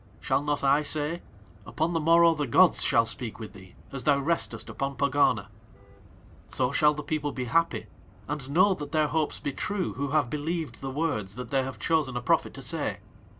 Shall not I say: "Upon The Morrow the gods shall speak with thee as thou restest upon Pegana?" So shall the people be happy, and know that their hopes be true who have believed the words that they have chosen a prophet to say.